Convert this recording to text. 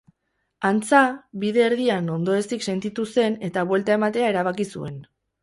Antza, bide erdian ondoezik sentitu zen, eta buelta ematea erabaki zuen.